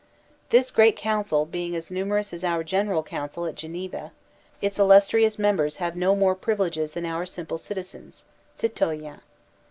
This Great Cotincil being as numerous as our General Council at Geneva, its illustrious members have no more privi leges than our simple citizens {citoyens).